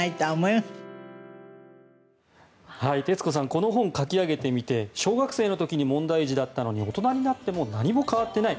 この本を書き上げてみて小学生の時に問題児だったのに大人になっても何も変わっていない。